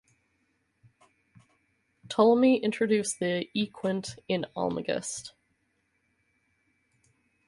Ptolemy introduced the equant in "Almagest".